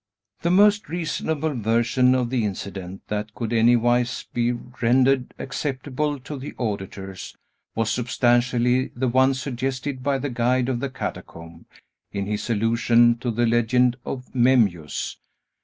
The most reasonable version of the incident, that could anywise be rendered acceptable to the auditors, was substantially the one suggested by the guide of the catacomb, in his allusion to the legend of Memmius.